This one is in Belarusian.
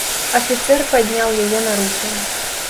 Афіцэр падняў яе на рукі.